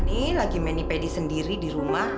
nih lagi mainin pedi sendiri di rumah